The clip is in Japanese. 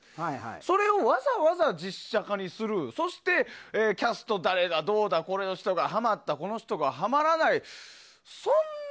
それをわざわざ実写化にするそして、キャスト誰だ、どうだこの人がハマったこの人がハマらない。